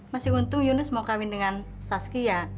masih untung yunus mau kawin dengan saskia